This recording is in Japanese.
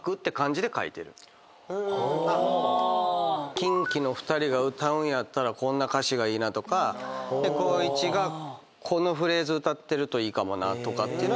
キンキの２人が歌うんやったらこんな歌詞がいいなとか光一がこのフレーズ歌ってるといいかもなとかってのは。